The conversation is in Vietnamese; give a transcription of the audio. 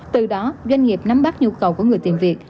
từ đó doanh nghiệp nắm bắt nhu cầu của người tìm việc